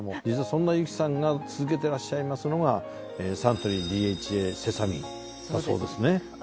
実はそんな由紀さんが続けてらっしゃいますのがサントリーＤＨＡセサミンだそうですね。